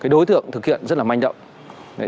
đối tượng thực hiện rất manh động